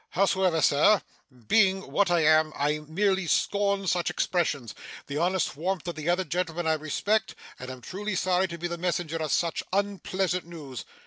Hows'ever, sir, being what I am, I merely scorn such expressions. The honest warmth of the other gentleman I respect, and I'm truly sorry to be the messenger of such unpleasant news.